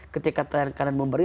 ketika kanan memberi